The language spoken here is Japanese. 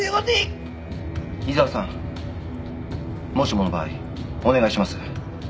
井沢さんもしもの場合お願いします。